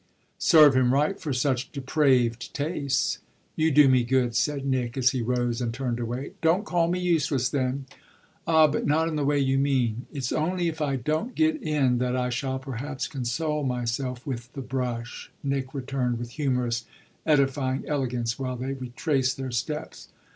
"Serve him right for such depraved tastes." "You do me good," said Nick as he rose and turned away. "Don't call me useless then." "Ah but not in the way you mean. It's only if I don't get in that I shall perhaps console myself with the brush," Nick returned with humorous, edifying elegance while they retraced their steps.